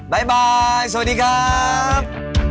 บ๊ายบายสวัสดีครับ